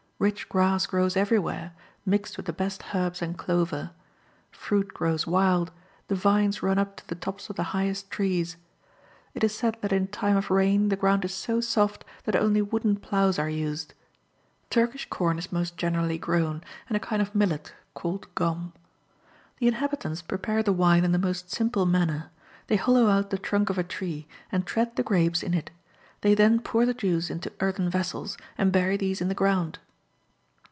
Rich grass grows everywhere, mixed with the best herbs and clover. Fruit grows wild; the vines run up to the tops of the highest trees. It is said that in time of rain the ground is so soft, that only wooden ploughs are used. Turkish corn is most generally grown, and a kind of millet, called gom. The inhabitants prepare the wine in the most simple manner. They hollow out the trunk of a tree, and tread the grapes in it; they then pour the juice into earthen vessels, and bury these in the ground.